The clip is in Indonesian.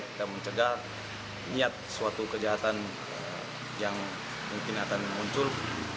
kita mencegah niat suatu kejahatan yang mungkin akan muncul